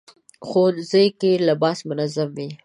ښوونځی کې لباس منظم وي